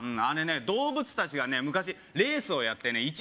あれね動物達がね昔レースをやってね